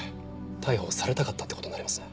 逮捕されたかったって事になりますね。